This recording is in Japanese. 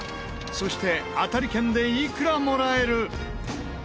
そして当たり券でいくらもらえる？